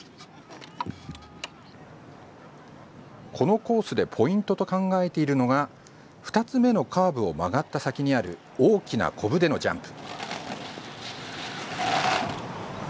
このコースでポイントと考えているのが２つ目のカーブを曲がった先にある大きなこぶでのジャンプ。